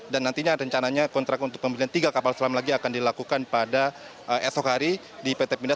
dan nantinya rencananya kontrak untuk pembelian tiga kapal selam lagi akan dilakukan pada esok hari di pt pindah